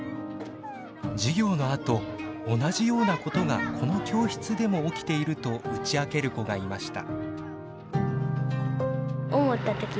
授業のあと同じようなことがこの教室でも起きていると打ち明ける子がいました。